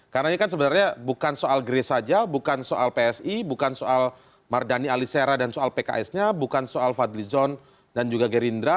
karena ini kan sebenarnya bukan soal grace saja bukan soal psi bukan soal mardhani alisera dan soal pks nya bukan soal fadlizon dan juga gerindra